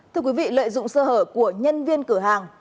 thưa quý vị lợi dụng sơ hở của nhân viên cửa hàng